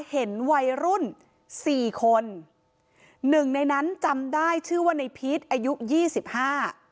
เห็นวัยรุ่นสี่คนหนึ่งในนั้นจำได้ชื่อว่าในพีชอายุยี่สิบห้า